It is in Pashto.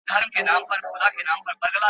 که تخته وي نو درس نه هېریږي.